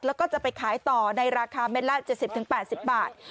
แล้วก็จะไปขายต่อในราคาเม็ดละ๗๐๘๐บาท